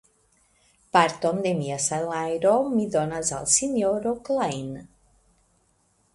Parton de mia salajro mi donas al sinjoro Klajn.